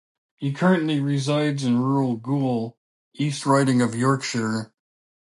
He currently resides in rural Goole, East Riding of Yorkshire.